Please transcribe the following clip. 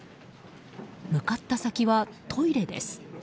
向かった先はトイレです。